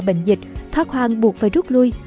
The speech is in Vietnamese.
bệnh dịch thoát hoàng buộc phải rút lui